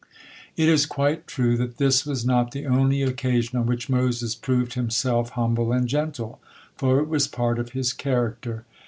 It is quite true that this was not the only occasion on which Moses proved himself humble and gentle, for it was part of his character.